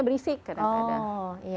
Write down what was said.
berisik kadang kadang oh iya